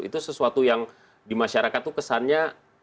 itu sesuatu yang di masyarakat itu kesannya